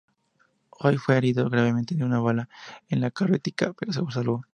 Hay fue herido gravemente de una bala en la carótida, pero se salvó.